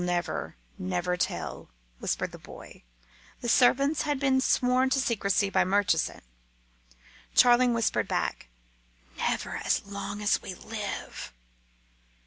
"We'll never, never tell," whispered the boy. The servants had been sworn to secrecy by Murchison. Charling whispered back, "Never as long as we live."